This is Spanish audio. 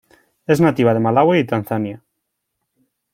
Es nativa de Malaui y Tanzania.